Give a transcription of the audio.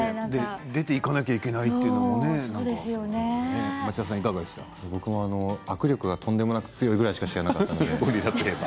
出ていかなきゃいけないと僕は握力がとんでもなく強いぐらいしか知らなかったんですけど。